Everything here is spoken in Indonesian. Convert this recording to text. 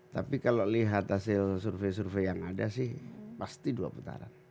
tapi kalau lihat hasil survei survei yang ada sih pasti dua putaran